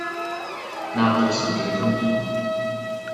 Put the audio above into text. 鬧左十幾分鐘